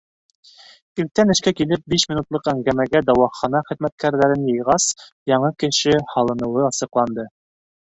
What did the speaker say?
Иртән эшкә килеп, биш минутлыҡ әңгәмәгә дауахана хеҙмәткәрҙәрен йыйғас, яңы кеше һалыныуы асыҡланды.